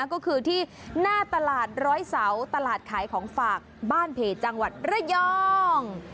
ก็คือที่หน้าตลาดร้อยเสาตลาดขายของฝากบ้านเพจจังหวัดระยอง